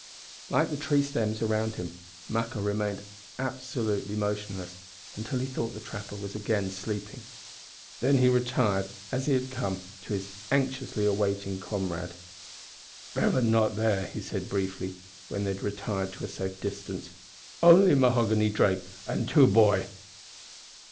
Like the tree stems around him, Maqua remained absolutely motionless until he thought the trapper was again sleeping. Then he retired, as he had come, to his anxiously awaiting comrade. "Bevan not there," he said briefly, when they had retired to a safe distance; "only Mahoghany Drake an' two boy."